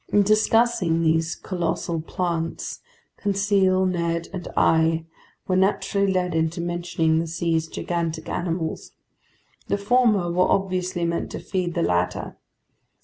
In discussing these colossal plants, Conseil, Ned, and I were naturally led into mentioning the sea's gigantic animals. The former were obviously meant to feed the latter.